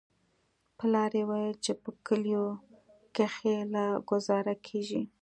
پلار يې ويل چې په کليو کښې لا گوزاره کېږي.